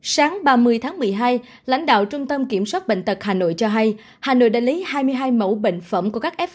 sáng ba mươi tháng một mươi hai lãnh đạo trung tâm kiểm soát bệnh tật hà nội cho hay hà nội đã lấy hai mươi hai mẫu bệnh phẩm của các f